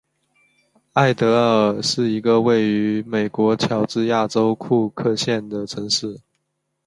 艾得尔是一个位于美国乔治亚州库克县的城市。